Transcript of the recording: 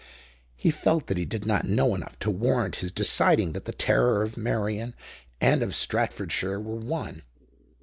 He felt that he did not know enough to warrant his deciding that the terror of Meirion and of Stratfordshire were one.